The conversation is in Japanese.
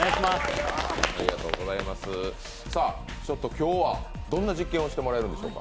今日はどんな実験をしてもらえるんでしょうか。